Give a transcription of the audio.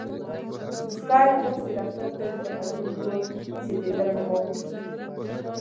سپی داسې رفتار کوي لکه ټول کور چې د ده په واک کې وي.